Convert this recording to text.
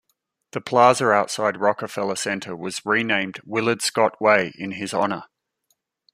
The plaza outside Rockefeller Center was renamed Willard Scott Way in his honor.